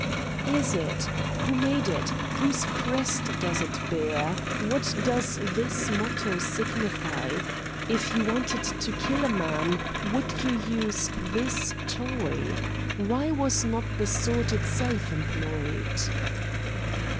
"Is it? Who made it? Whose crest does it bear? What does this motto signify? If you wanted to kill a man would you use this toy? Why was not the sword itself employed?"